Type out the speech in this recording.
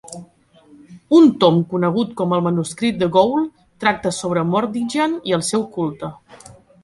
Un tom conegut com el "Manuscrit de Ghoul" tracta sobre Mordiggian i el seu culte.